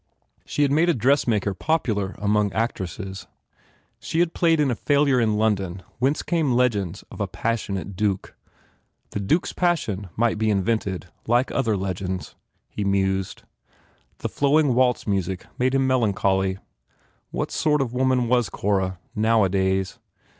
She had made a dressmaker popular among actresses. She had played in a failure in London whence came legends of a passionate Duke. The Duke s passion might be invented, like other legends. He mused. The flowing waltz music made him melancholy. What sort of woman was Cora, nowadays?